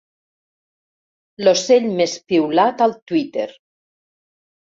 L'ocell més piulat al Twitter.